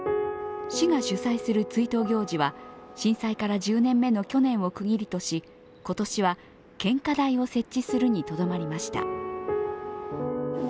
市が主催する追悼行事は震災から１０年目の去年を区切りとし今年は献花台を設置するにとどまりました。